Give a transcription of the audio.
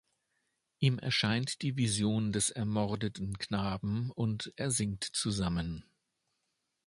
Ihm erscheint die Vision des ermordeten Knaben und er sinkt zusammen.